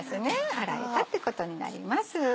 洗えたってことになります。